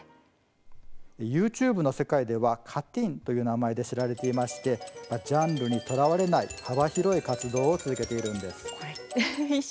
ＹｏｕＴｕｂｅの世界ではＣａＴｅｅｎという名前で知られていましてジャンルにとらわれない幅広い活動を続けているんです。